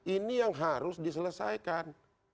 ini yang harus diselesaikan